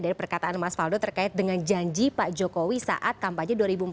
dari perkataan mas faldo terkait dengan janji pak jokowi saat kampanye dua ribu empat belas